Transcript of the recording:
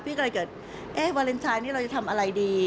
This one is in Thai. พีชก็แน่นกฟันไวล็นไทน์นี้เราจะทำอะไรดี